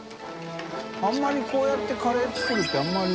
△鵑泙こうやってカレー作るってあんまり。